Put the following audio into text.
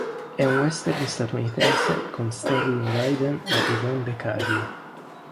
È un western statunitense con Sterling Hayden e Yvonne De Carlo.